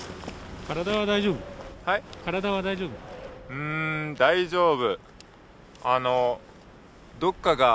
うん「大丈夫」。